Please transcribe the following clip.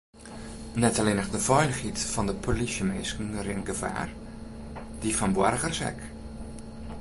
Net allinnich de feilichheid fan de polysjeminsken rint gefaar, dy fan boargers ek.